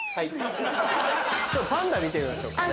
パンダ見てみましょうかね。